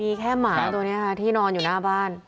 มีแค่หมาตัวนี้ค่ะที่นอนอยู่หน้าบ้าน